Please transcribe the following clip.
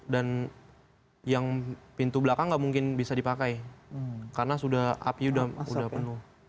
dan yang pintu belakang enggak mungkin bisa dipakai karena api sudah penuh